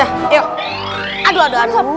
aduh aduh aduh aduh